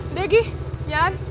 udah gi jalan